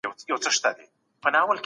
هغه د اوبو په څښلو اخته دی.